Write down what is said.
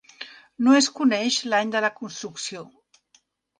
No es coneix l'any de la construcció.